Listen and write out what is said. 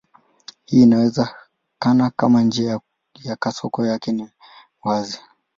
Hii inawezekana kama njia ya kasoko yake ni wazi.